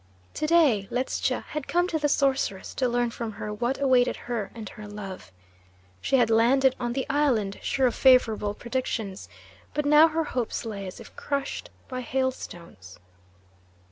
To day Ledscha had come to the sorceress to learn from her what awaited her and her love. She had landed on the island, sure of favourable predictions, but now her hopes lay as if crushed by hailstones.